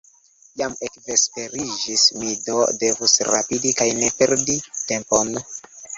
Jam ekvesperiĝis, mi do devus rapidi kaj ne perdi tempon.